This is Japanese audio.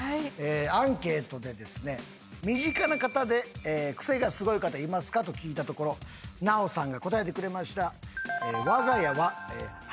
アンケートでですね「身近な方でクセがスゴい方いますか？」と聞いたところ奈緒さんが答えてくれました。